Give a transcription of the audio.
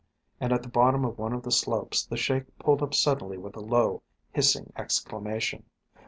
And at the bottom of one of the slopes the Sheik pulled up suddenly with a low, hissing exclamation.